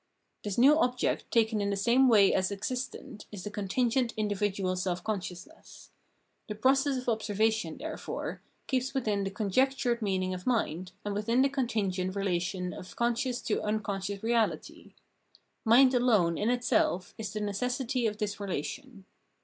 This new object taken in the same way as existent, is the contingent individual self consciousness. The pro cess of observation, therefore, keeps within the " con jectured" meaning of mind, and within the contingent relation of conscious to unconscious reaUty. Mind alone in itself is the necessity of this relation.